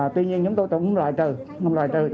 tuy nhiên chúng tôi cũng loại trừ